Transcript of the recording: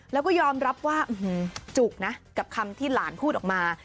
แล้วก็ยอมรับว่าจุกนะกับคำที่หลานพูดออกมา